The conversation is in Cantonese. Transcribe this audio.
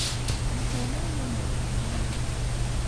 我做咩要暪你呀？